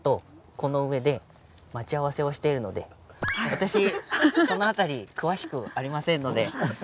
私その辺り詳しくありませんので。